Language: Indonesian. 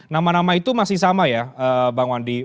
nama nama itu masih sama ya bang wandi